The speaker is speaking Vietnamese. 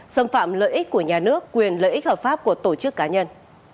xâm phạm lợi ích của nhà nước quyền lợi ích hợp pháp của tổ chức cá nhân